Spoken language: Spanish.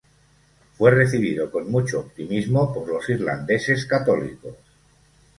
Fue recibido con mucho optimismo por los irlandeses católicos.